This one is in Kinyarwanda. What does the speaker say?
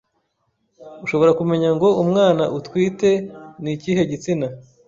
ushobora kumenya ngo umwana utwite nikihe gitsina